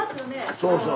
そうそう。